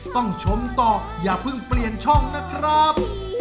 ต้องชมต่ออย่าเพิ่งเปลี่ยนช่องนะครับ